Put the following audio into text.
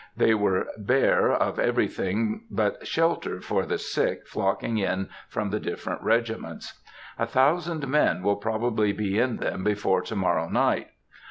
They were bare of everything but shelter for the sick flocking in from the different regiments. A thousand men will probably be in them before to morrow night.